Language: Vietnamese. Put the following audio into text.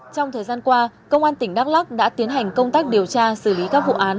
trong thời gian qua công an tỉnh đắk lắc đã tiến hành công tác điều tra xử lý các vụ án